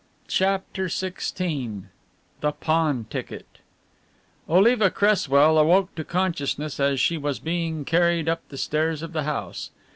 CHAPTER XVI THE PAWN TICKET Oliva Cresswell awoke to consciousness as she was being carried up the stairs of the house.